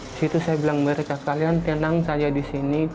disitu saya bilang mereka kalian tenang saja disini